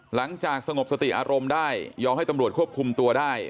หลังจากสงบสติอารมณ์ได้ยอมให้ตำรวจควบคุมตัวได้